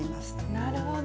なるほど。